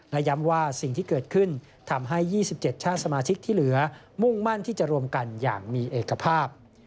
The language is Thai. และย้ำว่าสิ่งที่เกิดขึ้นทำให้๒๗ชาติสมาชิกที่เหลือมุ่งมั่นที่จะรวมกันอย่างมีเอกภาพ